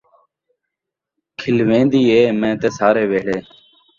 کھلویندی اے میں تے سارے ویہڑے